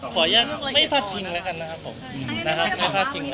เผาแชทไม่พาถิ่งแหละค่ะนะครับผม